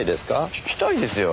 聞きたいですよ。